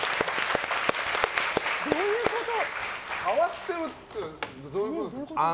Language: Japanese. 変わってるっていうのはどういうことですか？